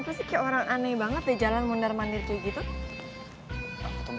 maksudnya ini selain membuat mama penuh urus